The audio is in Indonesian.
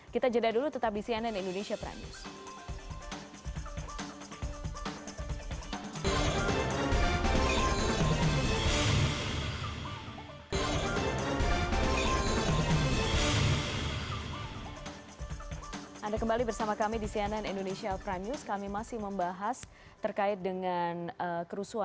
kita jeda dulu tetap di cnn indonesia prime news